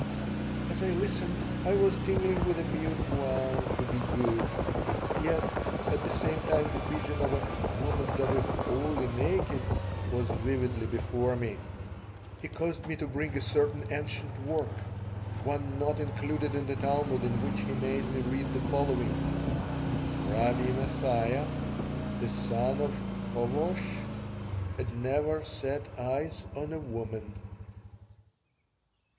As I listened I was tingling with a mute vow to be good. Yet, at the same time, the vision of "a woman that is wholly naked" was vividly before me He caused me to bring a certain ancient work, one not included in the Talmud, in which he made me read the following: "Rabbi Mathia, the son of Chovosh, had never set eyes on a woman.